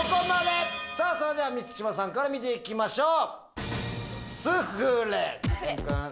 それでは満島さんから見ていきましょう。